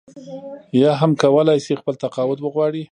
یا هم کولای شي خپل تقاعد وغواړي.